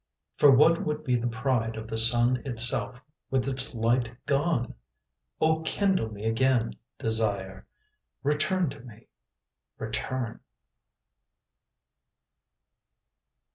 For what would be the pride of the sun itself With its light gone? O kindle me again, desire. Return to me. Return.